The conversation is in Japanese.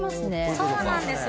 そうなんですよ。